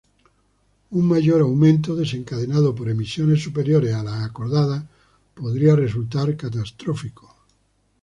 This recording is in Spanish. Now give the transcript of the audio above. Un mayor aumento, desencadenado por emisiones superiores a las acordadas, podría resultar catastrófico.